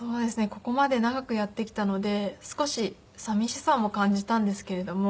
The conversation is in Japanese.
ここまで長くやってきたので少し寂しさも感じたんですけれども。